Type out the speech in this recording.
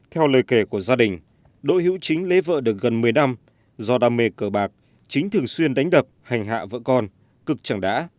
theo lời kể của gia đình đỗ hữu chính lấy vợ được gần một mươi năm do đam mê cờ bạc chính thường xuyên đánh đập hành hạ vợ con cực chẳng đã